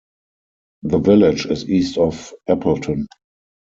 The village is east of Appleton.